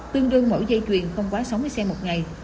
tương đương mỗi dây chuyền không quá sáu mươi xe một ngày